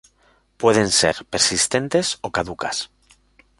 Puede ser persistentes o caducas.